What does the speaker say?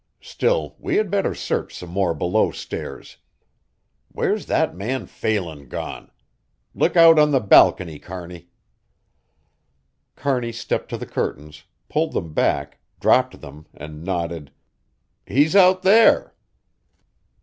Still we had better search some more below stairs. Where's that man Phelan gone? Look out on the balcony, Kearney." Kearney stepped to the curtains, pulled them back, dropped them, and nodded, "He's out there."